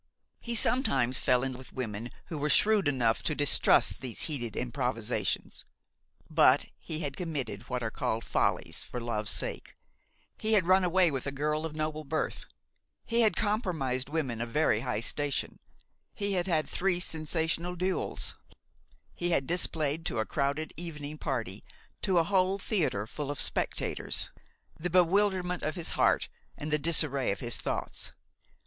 He sometimes fell in with women who were shrewd enough to distrust these heated improvisations; but he had committed what are called follies for love's sake: he had run away with a girl of noble birth; he had compromised women of very high station; he had had three sensational duels; he had displayed to a crowded evening party, to a whole theatre full of spectators, the bewilderment of his heart and the disarray of his thoughts.